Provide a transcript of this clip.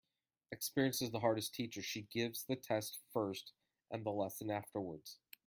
Experience is the hardest teacher. She gives the test first and the lesson afterwards.